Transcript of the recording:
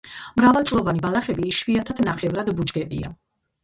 მრავალწლოვანი ბალახები, იშვიათად ნახევრად ბუჩქებია.